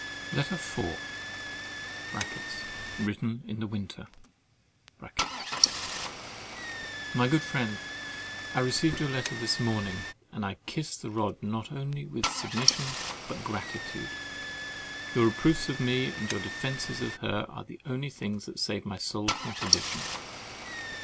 LETTER IV (Written in the Winter) My good Friend, I received your letter this morning, and I kiss the rod not only with submission, but gratitude. Your reproofs of me and your defences of her are the only things that save my soul from perdition.